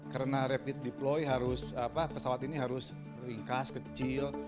karena rapid deploy pesawat ini harus ringkas kecil